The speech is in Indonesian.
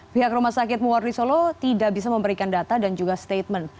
pihak rumah sakit muwarni solo tidak bisa memberikan data dan juga statement